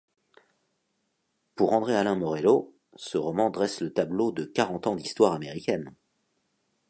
Pour André-Alain Morello, ce roman dresse le tableau de quarante ans d'histoire américaine.